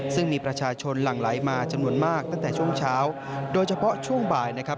ซึ่งมีประชาชนหลั่งไหลมาจำนวนมากตั้งแต่ช่วงเช้าโดยเฉพาะช่วงบ่ายนะครับ